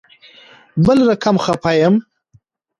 بل رقم خفه یم